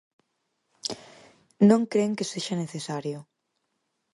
Non cren que sexa necesario.